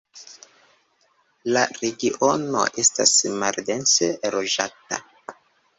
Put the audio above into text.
La regiono estas maldense loĝata.